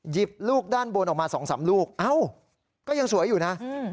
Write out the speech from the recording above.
หยิบลูกด้านบนออกมา๒๓ลูกเอ้าก็ยังสวยอยู่นะ